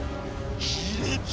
卑劣！